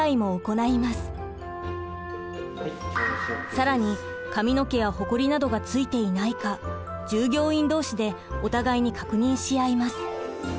更に髪の毛やほこりなどがついていないか従業員同士でお互いに確認しあいます。